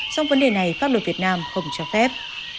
trong vấn đề này pháp luật việt nam không cho phép